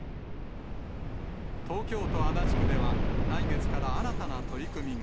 東京都足立区では、来月から新たな取り組みが。